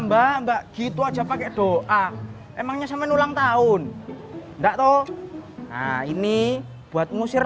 mbak mbak gitu aja pakai doa emangnya saman ulang tahun enggak tuh ini buat ngusir